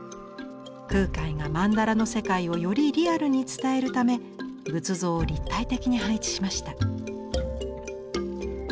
空海が曼荼羅の世界をよりリアルに伝えるため仏像を立体的に配置しました。